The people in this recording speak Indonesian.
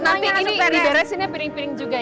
nah ini diberesinnya piring piring juga ya